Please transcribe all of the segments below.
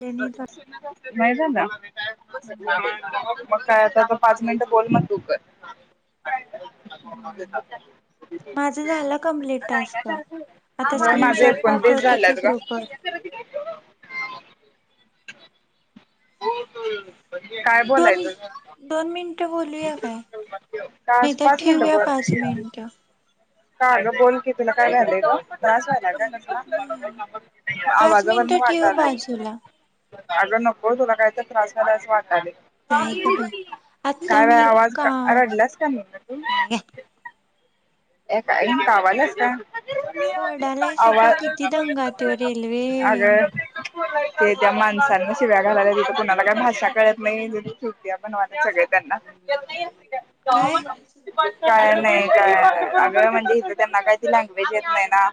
त्यांनी तर नाय झाला. हम्म मग काय आता पाच मिनिट बोल मग तू कर हम्म. माझं झालं कम्प्लीट टास्क आता माझे. स्क्रीनशॉट ट्वेंटी पाठवतो की झाल्यात गं. ग्रुपवर हो काय दोन बोलायचं. दोन मिनिटं बोलूया काय पा नाही तर पाच मिनटं ठेवूया पाच परत. मिनिटं का अग बोल की तुला काय ह्यालायला लागलं गं त्रास हायला नाही पाच आवाज वरण मिनिटं ठेव वाटालय. बाजूला अगं नको तुला काहीतरी त्रास व्हायला असं वाटाल नाही ग बाई आता काय बाई मी आवाज का रडलास काय? नाही काय ए काय कावाल्यास काय? ओरडाय स किती दंगा तो रेल्वे, अगं ते त्या माणसांना शिव्या घालायला तिथे, कुणाला काय भाषा कळत नाही ज चुतीया बनवा सगळे जावा काय म्हणावं काय नाही कायय. आग म्हणजे इथे त्यांना काही त लँग्वेज येत नाही ना?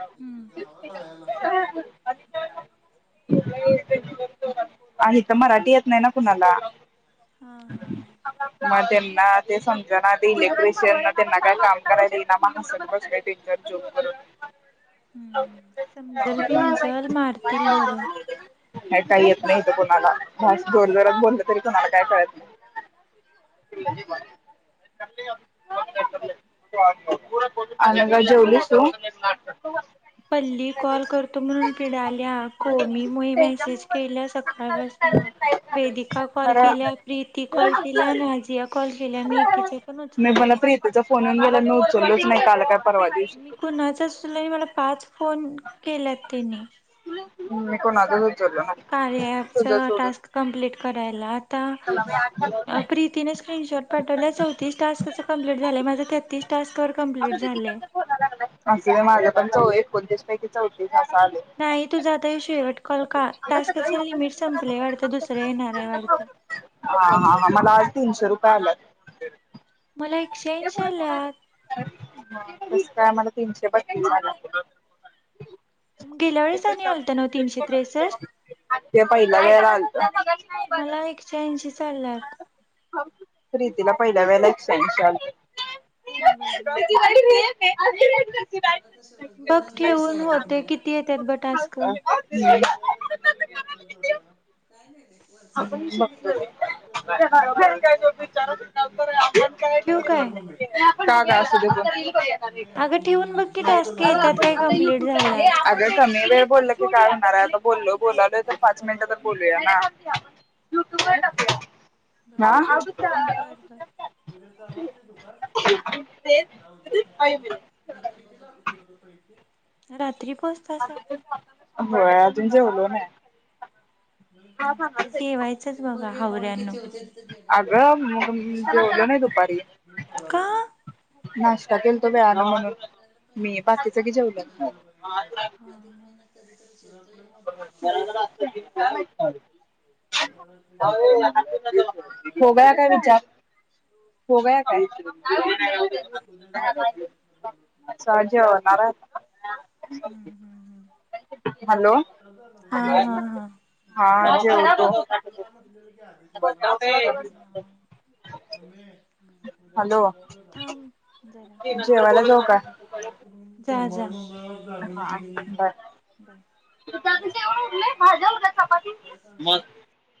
हम्म [inaudible] [unintelligible] आणि इथ मराठी येत नाही ना कुणाला हा हा हा. मग त्यांना ते समज ना ते इलेक्ट्रिशियन त्यांना काय काम. करायला येईना ना मानस का जोत करून. हम्म समजल बिमजल मारतील धरून. नाही काही येत नाही तर कोणाला जोर जोरात बोललं तरी कोणाला काय कळत नाही. [unintelligible] अनघा जेवलीस तु? पल्ली कॉल करतो, म्हणून पिडाल्या कोमी मु मेसेज केल्या सकाळ पासन. वेदिका कॉल खरं केल्या, प्रीती कॉल केल्या, नाजिया कॉल केल्या मी एकीच्या पण उचलया नाय. तुजा फोनन गेला न मी उचलच नाही काल काय परवा दिवशी. कुणाचा सुला मला पाच फोन केल्यात त्यांनी. ह्म मी कोणाचाच उचलत ते कार्याच टास्क कम्प्लीट करायला आता प्रीतीने स्क्रीनशॉट पाठवलं चौतीस टास्कचं कंमप्लीट झालं माझं तेहतीस तास कर कंमप्लीट झाले असे मी माझ्या पण चौ एकोणतीस पैकी चौतीस असं आलय नाही तुझा आता हे शेवट कॉल का टास्काचं लिमिट संपलं वाटतं दुसरं येणार आहे वाटत हा हा हा मला आज तीनशे रुपये आलयात मला एकशेयेंशी आल्यात कस काय मला तीनशे बतीस आल्यात गेल्या वेस आणि आलत ना तीनशे त्रेसष्ट ते पहिल्या वेळेला आलत शहाऐंशी स् लाख प्रीतीला पहिल्या वेळेला एकशे आयशी आलत होय बरं बरं ठीक. अ बघ ठेऊन होते किती येत्यात बग टास्क टीचर प लागत थोड्याला काय नाही तर बघतो. मी माझ्या घ ठीव काय तगा अस अगं ठेवून बघ की टास्क येतात काय दे कंप्लीट युट्य झाल्यात. अग कमी वेळ बोललं की काय होणार आहे बोललो बोलालो तर पाच मिनिटं तर बोलूया ना हा बर बर उद्या चालू असेल दुकान होय जाऊ उद्या चल. रात्री पस होय अजून जेवलो नाय. नुसतं जेवायचंच बघा हावऱ्यांनो. अगं मलं बोलू नाही दुपारी का नाश्ता केल तो वेळान म्हणून मी बाकीच की जेवलयात म होग काय विचार होवया काय सा जेवणार आय आता हम्म हम्म. हॅलो हा हा हा. हा जेव [unintelligible] हॅलो [unintelligible] थांब जरा. जेवायला जाऊ का? काय करू जा-जा हा बर [unintelligible] उघडलय. भाज्या हो का चपाती मग